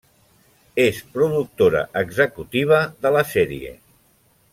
És productora executiva de la sèrie.